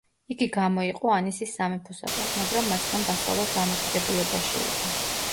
იგი გამოიყო ანისის სამეფოსაგან, მაგრამ მასთან ვასალურ დამოკიდებულებაში იყო.